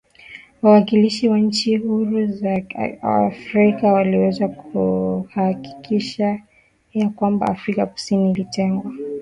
wawakilishi wa nchi huru za Afrika waliweza kuhakikisha ya kwamba Afrika Kusini ilitengwa